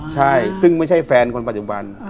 ใช่ซึ่งไม่ใช่แฟนคนปัจจุบัน